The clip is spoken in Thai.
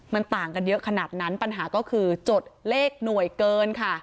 มันต่างกันเยอะขนาดนั้นปัญหาก็คือจดเลขหน่วยเกินค่ะ